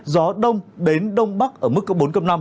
gió đông đến đông bắc ở mức cấp bốn cấp năm